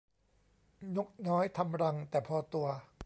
นกน้อยทำรังแต่พอตัว